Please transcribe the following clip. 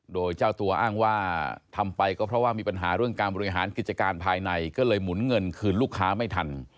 โดยเจ้าตัวอ้างว่าทำไปก็เพราะว่ามีปัญหาเรื่องการบริหารกิจการภายในก็เลยหมุนเงินคืนลูกค้าไม่ทัน